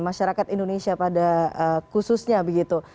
masyarakat indonesia pada khususnya begitu